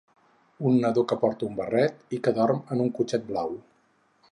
Un nadó que porta un barret i que dorm en un cotxet blau.